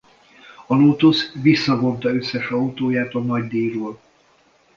A Lotus visszavonta összes autóját a nagydíjról.